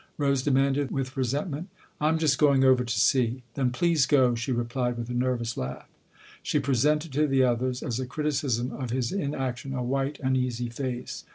Rose demanded with resent ment. " I'm just going over to see." " Then please go !" she replied with a nervous laugh. She presented to the others, as a criticism of his inaction, a white, uneasy face.